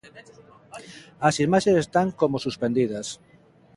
As imaxes están como suspendidas.